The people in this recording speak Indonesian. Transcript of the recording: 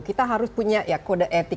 kita harus punya ya kode etik